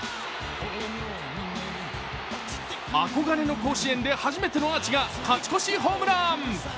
憧れの甲子園で初めてのアーチが勝ち越しホームラン。